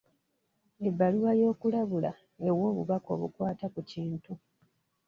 Ebbaluwa y'okulabula ewa obubaka obukwata ku kintu.